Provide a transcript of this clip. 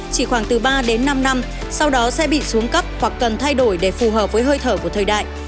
chỉ khoảng từ ba đến năm năm sau đó sẽ bị xuống cấp hoặc cần thay đổi để phù hợp với hơi thở của thời đại